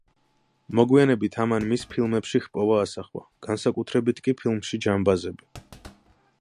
მოგვიანებით ამან მის ფილმებში ჰპოვა ასახვა, განსაკუთრებით კი ფილმში „ჯამბაზები“.